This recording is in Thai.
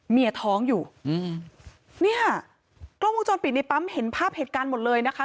เมียท้องอยู่อืมเนี่ยกล้องวงจรปิดในปั๊มเห็นภาพเหตุการณ์หมดเลยนะคะ